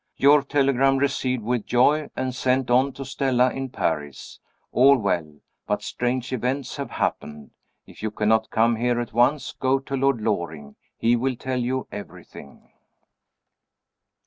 Your telegram received with joy, and sent on to Stella in Paris. All well. But strange events have happened. If you cannot come here at once, go to Lord Loring. He will tell you everything."